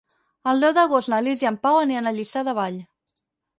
El deu d'agost na Lis i en Pau aniran a Lliçà de Vall.